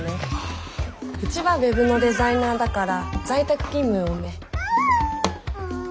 うちはウェブのデザイナーだから在宅勤務多め。